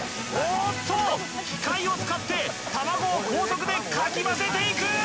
おっと機械を使って卵を高速でかき混ぜていく！